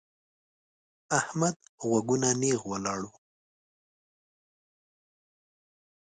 احمد غوږونه نېغ ولاړ وو.